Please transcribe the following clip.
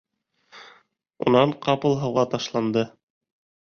Унан ҡапыл һыуға ташланды.